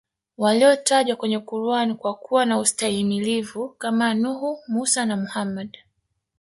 walio tajwa kwenye Quran kwa kuwa na ustahimilivu Kama nuhu mussa na Muhammad